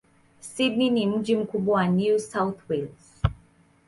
Sydney ni mji mkubwa wa New South Wales.